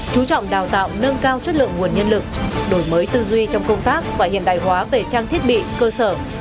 chú trọng đào tạo nâng cao chất lượng nguồn nhân lực đổi mới tư duy trong công tác và hiện đại hóa về trang thiết bị cơ sở